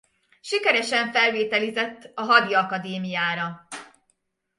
Sikeresen felvételizett a Hadiakadémiára.